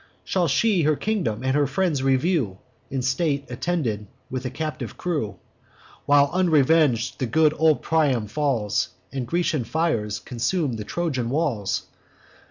Shall she her kingdom and her friends review, In state attended with a captive crew, While unreveng'd the good old Priam falls, And Grecian fires consume the Trojan walls?